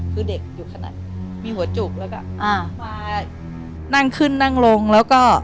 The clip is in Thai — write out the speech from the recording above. คือเด็กอยู่ขนาดมีหัวจุกแล้วก็อ่ามานั่งขึ้นนั่งลงแล้วก็